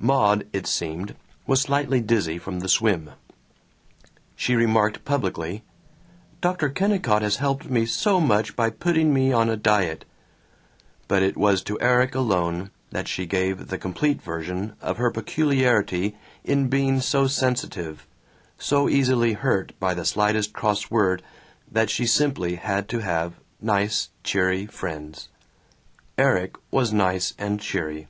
Maud, it seemed, was slightly dizzy from the swim. She remarked publicly, "Dr. Kennicott has helped me so much by putting me on a diet," but it was to Erik alone that she gave the complete version of her peculiarity in being so sensitive, so easily hurt by the slightest cross word, that she simply had to have nice cheery friends. Erik was nice and cheery.